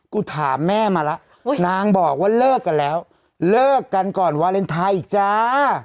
ถามแม่มาแล้วนางบอกว่าเลิกกันแล้วเลิกกันก่อนวาเลนไทยอีกจ้า